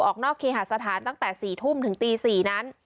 ออกนอกเคหาสถานตั้งแต่๔ทุ่มถึงตี๔นั้น